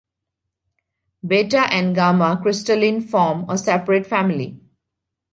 Beta and gamma- crystallin form a separate family.